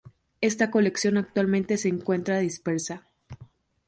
Esta colección actualmente se encuentra dispersa.